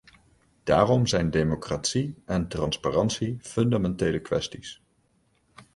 Daarom zijn democratie en transparantie fundamentele kwesties.